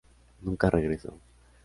Nunca regresó.